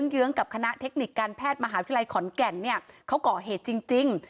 เยื้องกับคณะเทคนิคการแพทย์มหาวิทยาลัยขอนแก่นเนี่ยเขาก่อเหตุจริง